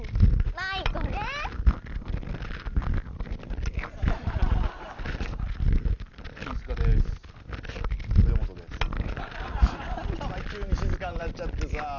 何だお前急に静かになっちゃってさ。